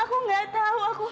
aku gak tau